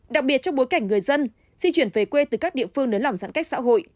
đặc biệt trong bối cảnh người dân di chuyển về quê từ các địa phương nớ lỏng giãn cách xã hội